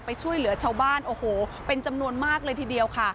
ไปช่วยเหลือชาวบ้านโอ้โหเป็นจำนวนมากเลยทีเดียวค่ะ